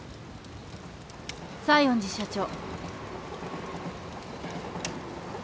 西園寺社長。